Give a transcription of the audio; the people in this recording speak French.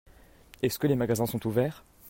Est-ce que les magasins sont ouverts ?